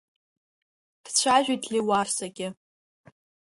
Дцәажәеит Леуарсагьы.